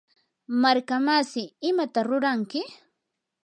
markamasi, ¿imata ruranki?